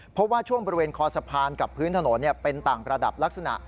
เพราะว่าช่วงบริเวณคอสะพานกับพื้นถนนเป็นต่างระดับลักษณะ